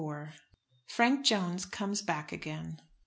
FRANK JONES COMES BACK AGAIN.